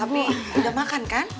tapi udah makan kan